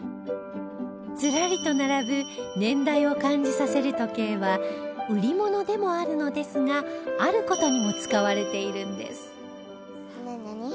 ずらりと並ぶ年代を感じさせる時計は売り物でもあるのですがある事にも使われているんです